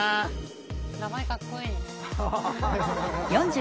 名前かっこいい。